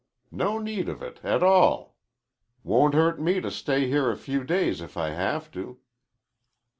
No need of it a tall. Won't hurt me to stay here a few days if I have to."